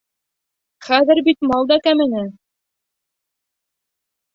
Хәҙер бит мал да кәмене...